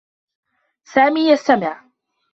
سامي يستمع.